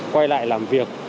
quay lại làm việc